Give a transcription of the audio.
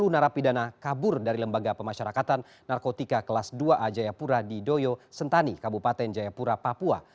dua puluh narapidana kabur dari lembaga pemasyarakatan narkotika kelas dua a jayapura di doyo sentani kabupaten jayapura papua